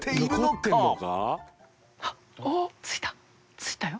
ついたよ？